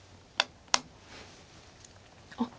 あっ！